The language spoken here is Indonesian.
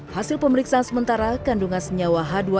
hasil pemeriksaan sementara kandungan senyawa h dua s berkandungan